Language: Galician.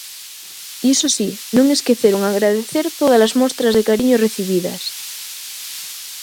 Iso si, non esqueceron agradecer todas as mostras de cariño recibidas.